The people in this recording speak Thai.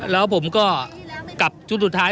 แล้วผมก็กลับชุดสุดท้าย